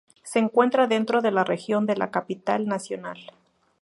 Se encuentra dentro de la Región de la Capital Nacional.